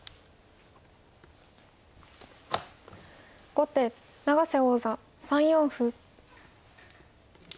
後手永瀬王座３四歩。